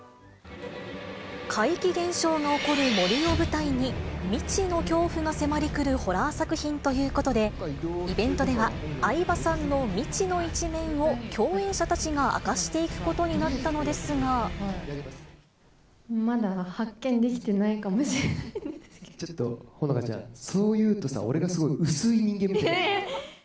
怪奇現象が起こる森を舞台に、未知の恐怖が迫りくるホラー作品ということで、イベントでは、相葉さんの未知の一面を共演者たちが明かしていくことになったのまだ発見できてないかもしれちょっと、穂香ちゃん、そう言うとさ、俺がすごい薄い人間みたいじゃん。